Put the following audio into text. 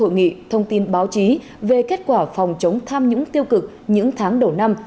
nhận tin báo chí về kết quả phòng chống tham nhũng tiêu cực những tháng đầu năm